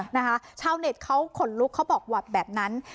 นะคะชาวเน็ตเขาขนลุกเขาบอกว่าแบบนั้น